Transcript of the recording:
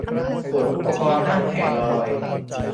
ขนอุปกรณ์ตั้งแผงลอย